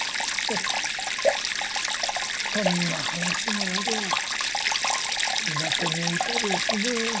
そんな話がありゃ港に浮いたりはしねえよ。